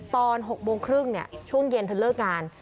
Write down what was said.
ตอน๖โมงครึ่งช่วงเย็นเธอเลิกงาน